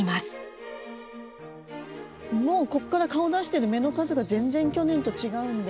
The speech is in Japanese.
もうここから顔を出してる芽の数が全然去年と違うんで。